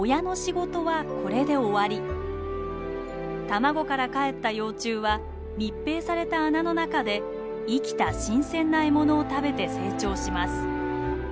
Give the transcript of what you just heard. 卵からかえった幼虫は密閉された穴の中で生きた新鮮な獲物を食べて成長します。